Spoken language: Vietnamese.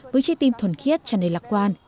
với trí tim thuần khiết tràn đầy lạc quan